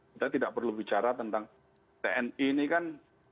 kita tidak perlu bicara tentang tni ini kan